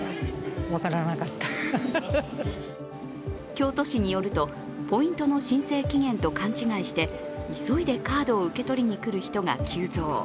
京都市によると、ポイントの申請期限と勘違いして急いでカードを受け取りに来る人が急増。